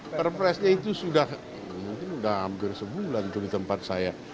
perpresnya itu sudah hampir sebulan itu di tempat saya